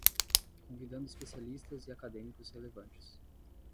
Convidando especialistas e acadêmicos relevantes